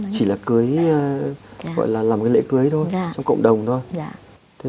chỉ là cưới gọi là làm cái lễ cưới thôi trong cộng đồng thôi